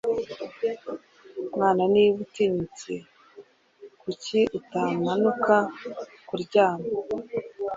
Mwana niba utinyutse kuki utamanuka kuryama